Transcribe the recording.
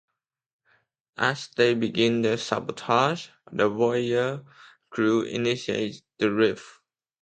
As they begin their sabotage, the "Voyager" crew initiates the rift.